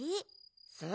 そう。